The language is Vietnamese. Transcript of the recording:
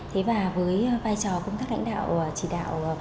thế và với vai trò công tác lãnh đạo chỉ đạo